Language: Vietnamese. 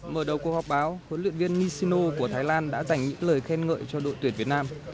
mở đầu cuộc họp báo huấn luyện viên nishino của thái lan đã dành những lời khen ngợi cho đội tuyển việt nam